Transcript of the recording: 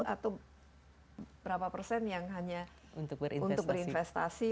atau berapa persen yang hanya untuk berinvestasi